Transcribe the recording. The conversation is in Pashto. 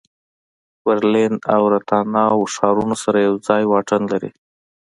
برلین او راتناو ښارونه سره یو ساعت واټن لري